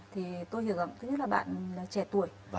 thì tôi hiểu rằng thứ nhất là bạn trẻ tuổi